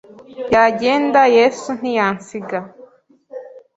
yagenda Yesu ntiyansiga